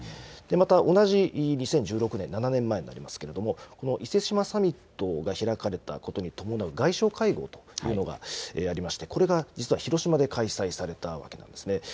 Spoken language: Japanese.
また、同じ２０１６年、７年前になりますけれども、伊勢志摩サミットが開かれたことに伴う外相会合というのがありまして、これが実は広島で開催されたわけなんですね。